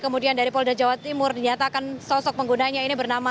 kemudian dari polda jawa timur dinyatakan sosok penggunanya ini bernama